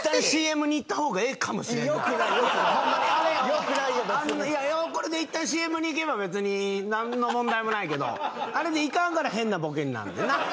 別にこれでいったんＣＭにいけば別になんの問題もないけどあれでいかんから変なボケになんねんな？